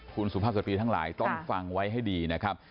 คุณสุภาพสตรีทั้งหลายต้องฟังไว้ให้ดีนะครับ